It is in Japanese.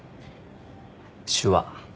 手話。